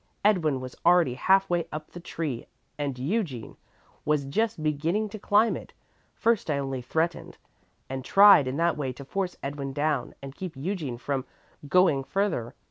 Edwin was already half way up the tree and Eugene was just beginning to climb it. First I only threatened and tried in that way to force Edwin down and keep Eugene from going further.